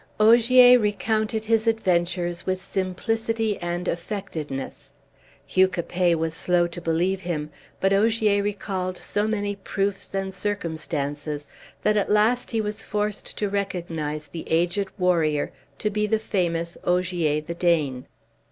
Ogier recounted his adventures with simplicity and affectedness. Hugh Capet was slow to believe him; but Ogier recalled so many proofs and circumstances, that at last he was forced to recognize the aged warrior to be the famous Ogier the Dane.